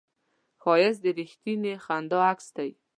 ښایست د رښتینې خندا عکس دی